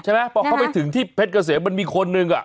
ใช่ไหมเพราะเขาไปถึงที่เพชรเกษมมันมีคนหนึ่ง